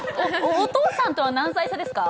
お父さんとは何歳差ですか？